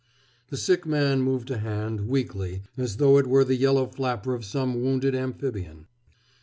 The sick man moved a hand, weakly, as though it were the yellow flapper of some wounded amphibian.